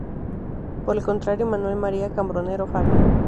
Por el contrario, Manuel María Cambronero, "Fabio".